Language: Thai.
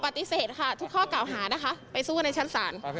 ขอปฏิเสธค่ะทุกข้อก่าวหานะคะไปสู้กับรายชาติศาล